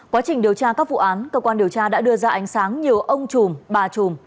quá trình điều tra các vụ án cơ quan điều tra đã đưa ra ánh sáng nhiều ông chùm bà trùm